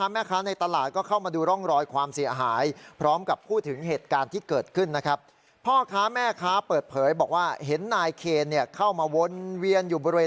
มาวนเวียนอยู่บริเวณนี้